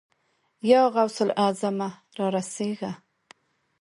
يا غوث الاعظمه! را رسېږه.